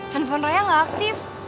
handphone raya nggak aktif